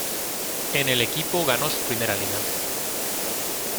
En el equipo ganó su primera Liga.